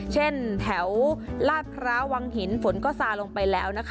เช่นแถวราชวาวางหินฝนสานลงไปแล้ว